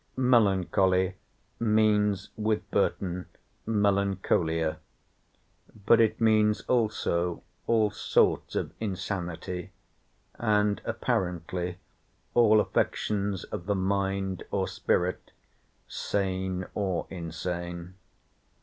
"Melancholy" means with Burton Melancholia, but it means also all sorts of insanity, and apparently all affections of the mind or spirit, sane or insane.